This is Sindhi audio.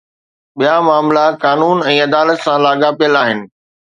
ٻيا معاملا قانون ۽ عدالت سان لاڳاپيل آهن